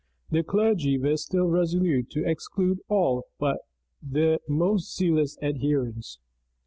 The clergy were still resolute to exclude all but their most zealous adherents.